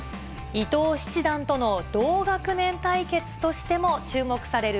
伊藤七段との同学年対決としても注目される